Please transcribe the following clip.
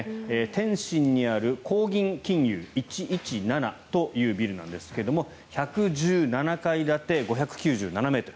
天津にある高銀金融１１７というビルなんですが１１７階建て、５９７ｍ。